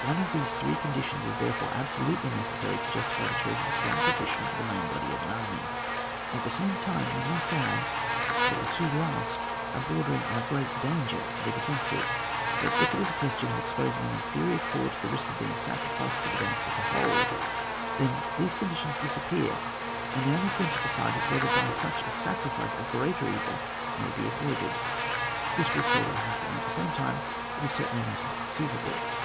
One of these three conditions is there fore absolutely necessary to justify the choice of a strong position for the main body of an army ; at the same time we must add that the two last are bor dering on a great danger for the defen sive. But if it is a question of exposing an inferior corps to the risk of being sacrificed for the benefit of the whole, then these conditions disappear, and the only point to decide is whether by such a sacrifice a greater evil may be avoided. This will seldom happen ; at the same time it is certainly not inconceivable.